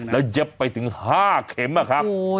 แล้วเย็บไปถึง๕เข็มนะครับ